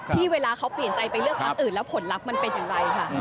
เวลาเขาเปลี่ยนใจไปเลือกพักอื่นแล้วผลลัพธ์มันเป็นอย่างไรค่ะ